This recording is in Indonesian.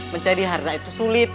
mencari harta itu sulit